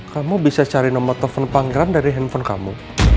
kamu bisa cari nomor telfon panggilan dari handphone kamu